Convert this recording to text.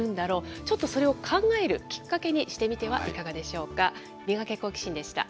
ちょっとそれを考えるきっかけにしてみてはいかがでしょうか。